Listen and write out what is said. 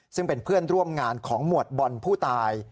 ซึ่งเป็นเพื่อนร่วมงานของหมวดบอลผู้ตาย